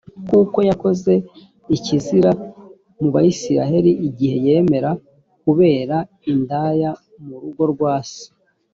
kuko yakoze ikizira mu bayisraheli igihe yemera kubera indaya mu rugo rwa se.